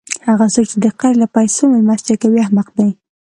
هغه څوک، چي د قرض له پېسو میلمستیا کوي؛ احمق دئ!